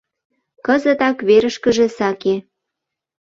Кызытак верышкыже саке!